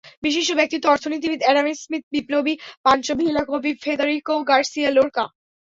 বিশিষ্ট ব্যক্তিত্ব—অর্থনীতিবিদ Adam Smith, বিপ্লবী পানচো ভিলা, কবি ফেদেরিকো গার্সিয়া লোরকা।